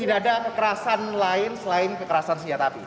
di dada kekerasan lain selain kekerasan senjata api